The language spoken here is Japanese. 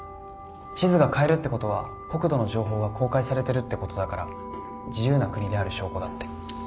地図が買えるってことは国土の情報が公開されてるってことだから自由な国である証拠だって。